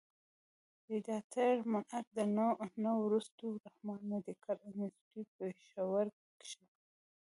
د ريټائرډ منټ نه وروستو رحمان مېډيکل انسټيتيوټ پيښور کښې